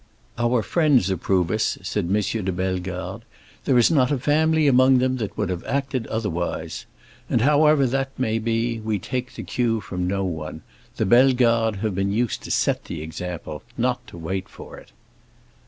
"Our friends approve us," said M. de Bellegarde, "there is not a family among them that would have acted otherwise. And however that may be, we take the cue from no one. The Bellegardes have been used to set the example, not to wait for it."